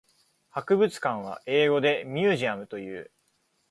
博物館は英語でミュージアムという。